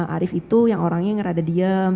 arief itu yang orangnya yang rada diem